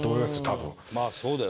多分。